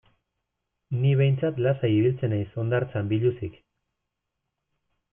Ni behintzat lasai ibiltzen naiz hondartzan biluzik.